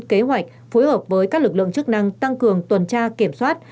kế hoạch phối hợp với các lực lượng chức năng tăng cường tuần tra kiểm soát